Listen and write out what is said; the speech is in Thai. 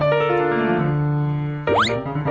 โอ้โหโอ้โหโอ้โห